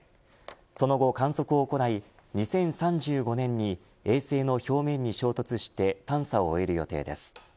その後、観測を行い２０３５年に衛星の表面に衝突して探査を終える予定です。